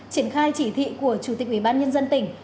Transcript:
triển khai chỉ thị của chủ tịch ủy ban nhân dân tỉnh